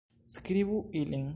Skribu ilin.